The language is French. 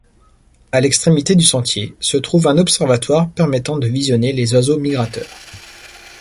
À l'extrémité du sentier se trouve un observatoire permettant de visionner les oiseaux migrateurs.